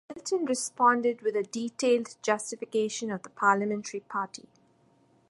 Milton responded with a detailed justification of the parliamentary party.